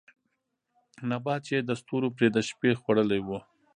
نبات چې يې د ستورو پرې د شپې خـوړلې وو